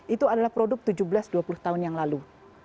itu adalah produk tujuh belas dua puluh tahun yang lalu